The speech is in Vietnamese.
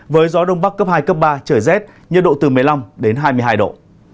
với gió đông bắc cấp hai cấp ba trời rét nhiệt độ từ một mươi năm đến hai mươi hai độ